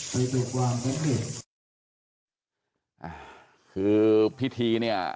ไปตรงกว่างกันเนี่ยคือพิธีเนี่ย